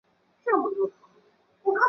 其父为中华民国空军中将蔡名永。